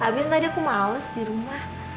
tau ya kalau di rumah aku bawanya jadi serangga